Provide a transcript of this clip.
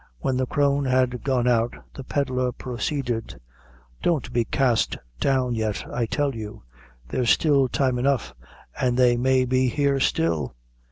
When the crone had gone out, the pedlar proceeded: "Don't be cast down yet, I tell you; there's still time enough, an' they may be here still."